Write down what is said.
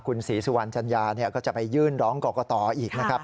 คุณศรีสุวรรณจัญญาก็จะไปยื่นร้องกรกตอีกนะครับ